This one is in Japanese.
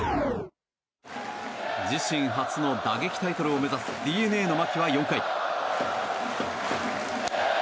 自身初の打撃タイトルを目指すＤｅＮＡの牧は４回。